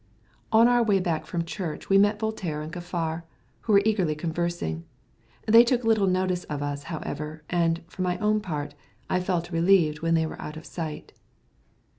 On our way back from church we met Voltaire and Kaffar, who were eagerly conversing. They took but little notice of us, however, and, for my own part, I felt relieved when they were out of sight.